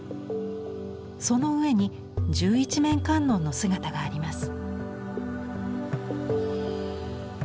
その上に十一面観音の姿があります。